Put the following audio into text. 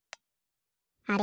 あれ？